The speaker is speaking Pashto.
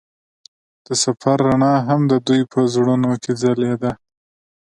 د سفر رڼا هم د دوی په زړونو کې ځلېده.